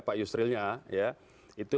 pak yusrilnya itu